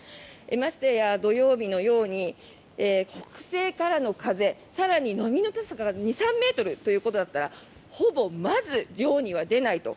ましてや土曜日のように北西からの風更に波の高さが２３ｍということだったらほぼ、まず漁には出ないと。